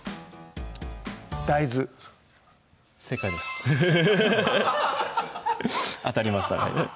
大豆正解です当たりましたね